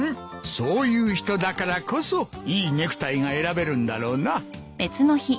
そういう人だからこそいいネクタイが選べるんだろうな。